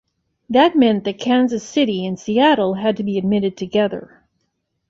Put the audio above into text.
That meant that Kansas City and Seattle had to be admitted together.